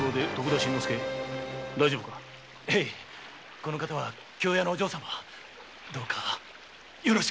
この方は京屋のお嬢様どうかよろしく。